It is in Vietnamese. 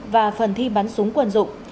và phần thi bắn súng quân dụng